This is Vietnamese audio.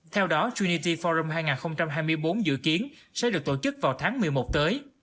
theo đó trinity forum hai nghìn hai mươi bốn dự kiến sẽ được tổ chức vào tháng một mươi một tới